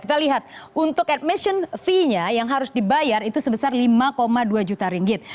kita lihat untuk admission fee nya yang harus dibayar itu sebesar lima dua juta ringgit